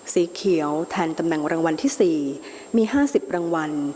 สีเขียวแทนตำแหน่งรางวัลที่๔มี๕๐รางวัล